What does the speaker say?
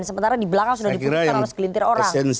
sementara di belakang sudah diputuskan